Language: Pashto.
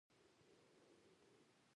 بټومینس سکاره تر ټولو ډېر کارول کېږي.